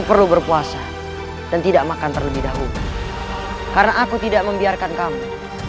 kita harus mencari tempat istirahat yang aman